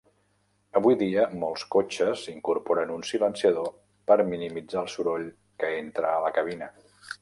Avui dia, molts cotxes incorporen un silenciador per minimitzar el soroll que entra a la cabina.